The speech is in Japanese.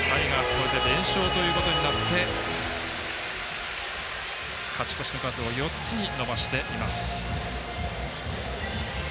これで連勝ということになって勝ち越しの数を４つに伸ばしています。